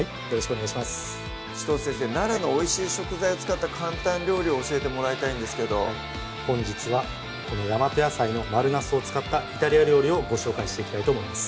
奈良のおいしい食材を使った簡単料理を教えてもらいたいんですけど本日はこの大和野菜の丸なすを使ったイタリア料理をご紹介していきたいと思います